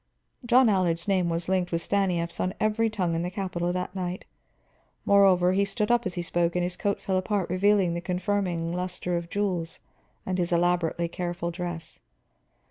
John Allard's name was linked with Stanief's on every tongue in the capital that night. Moreover, he stood up as he spoke and his coat fell apart, revealing the confirming luster of jewels and his elaborately careful dress.